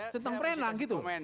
sintang berenang gitu